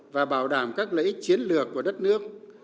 và bảo đảm các lợi ích chiến lược của đất nước